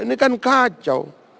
ini kan kacau